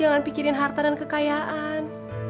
jangan pikirin harta dan kekayaan